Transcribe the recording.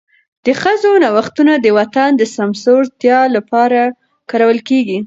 د ښځو نوښتونه د وطن د سمسورتیا لپاره کارول کېږي.